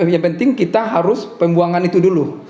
yang penting kita harus pembuangan itu dulu